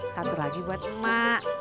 satu lagi buat mak